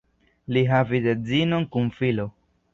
Li havis edzinon kun filo.